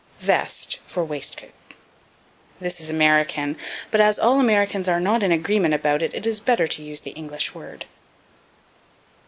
Vest for Waistcoat. This is American, but as all Americans are not in agreement about it it is better to use the English word.